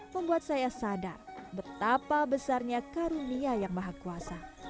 membuat saya sadar betapa besarnya karunia yang maha kuasa